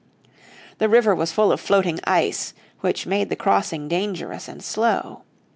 The river was full of floating ice, which made the crossing dangerous and slow.